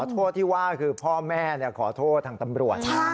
โทษที่ว่าคือพ่อแม่ขอโทษทางตำรวจ